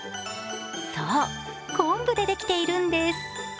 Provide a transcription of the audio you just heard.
そう、昆布でできているんです。